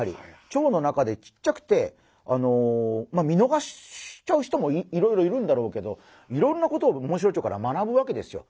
チョウの中でちっちゃくてみのがしちゃう人もいろいろいるんだろうけどいろんなことをモンシロチョウから学ぶわけですよ。